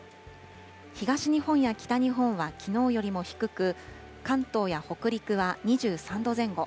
東日本や北日本はきのうよりも低く、関東や北陸は２３度前後。